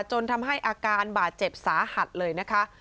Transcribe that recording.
จนทำให้อาการบาดเจ็บสาหัสเลยนะคะ